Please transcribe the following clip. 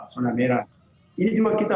sonamera ini juga kita